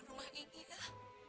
rumah ini lah